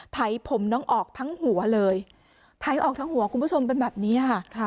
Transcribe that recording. ไถผมน้องออกทั้งหัวเลยไถออกทั้งหัวคุณผู้ชมเป็นแบบนี้ค่ะ